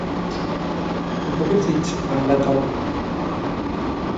Jacobs graduated from Atlantic Community High School in Delray Beach, Florida.